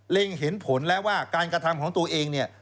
เห็นผลแล้วว่าการกระทำของตัวเองเนี่ย